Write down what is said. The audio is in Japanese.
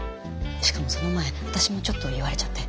しかもその前私もちょっと言われちゃって。